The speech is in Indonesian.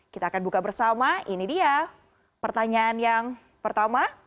kita akan buka bersama ini dia pertanyaan yang pertama